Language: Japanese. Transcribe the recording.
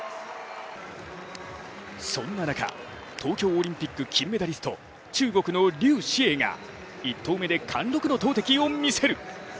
そんな中、東京オリンピック金メダリスト、中国の劉詩穎が１投目で貫禄の投てきを見せる。